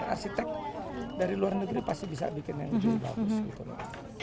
arsitek dari luar negeri pasti bisa bikin yang lebih bagus gitu loh